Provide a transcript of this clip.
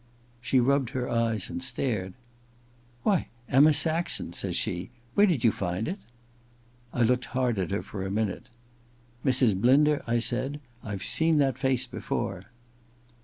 She rubbed her eyes and stared. * Why, Emma Saxon,' says she. * Where did you find it ?' I looked hard at her for a minute. * Mrs. Blinder,' I said, * I've seen that face before.'